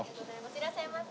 いらっしゃいませ。